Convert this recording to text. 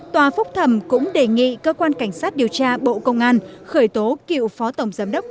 tòa phúc thẩm cũng đề nghị cơ quan cảnh sát điều tra bộ công an khởi tố cựu phó tổng giám đốc